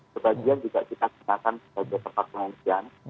sebagian juga kita cekakan sebagai tempat pengajian